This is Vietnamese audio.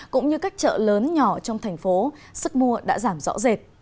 cũng như các chợ lớn nhỏ trong thành phố sức mua đã giảm rõ rệt